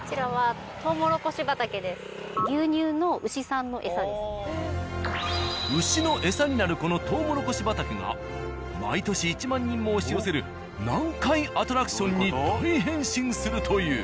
そんな牛のエサになるこのとうもろこし畑が毎年１万人も押し寄せる難解アトラクションに大変身するという。